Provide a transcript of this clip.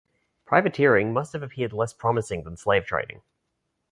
Privateering must have appeared less promising than slave trading.